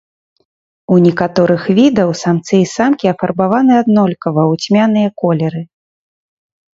У некаторых відаў самцы і самкі афарбаваны аднолькава, у цьмяныя колеры.